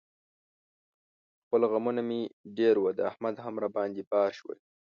خپل غمونه مې ډېر و، د احمد هم را باندې بار شول.